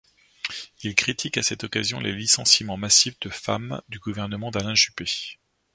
Il critique à cette occasion les licenciements massifs de femmes du gouvernement d'Alain Juppé.